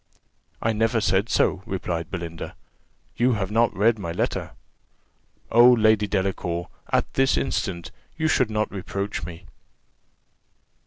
"I never said so," replied Belinda: "you have not read my letter. Oh, Lady Delacour, at this instant you should not reproach me."